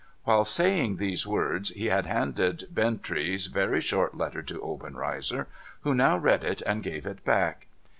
While saying these words, he had handed Bintrey's very short letter to Obenreizer, who now read it and gave it back.